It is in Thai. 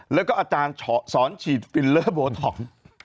แล้วก็อาจารย์สอนฉีดฟิลเลอร์โบท็อกซ์